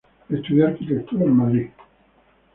Estudió arquitectura en Madrid.